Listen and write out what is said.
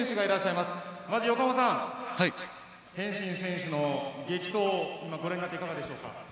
まず横浜さん、天心選手の激闘ご覧になっていかがでしたか？